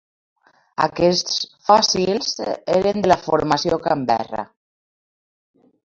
Aquests fòssils eren de la formació Canberra.